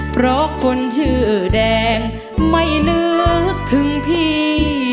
เพราะคนชื่อแดงไม่นึกถึงพี่